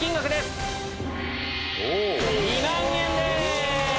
２万円です！